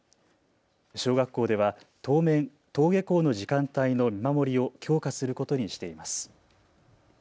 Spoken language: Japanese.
小学校では当面、登下校の時間帯の見守りを強化することにしています。